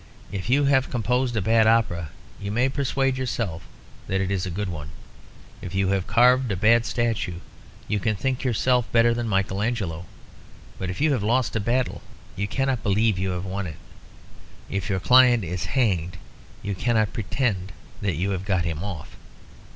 If you have composed a bad opera you may persuade yourself that it is a good one; if you have carved a bad statue you can think yourself better than Michael Angelo. But if you have lost a battle you cannot believe you have won it; if your client is hanged you cannot pretend that you have got him off.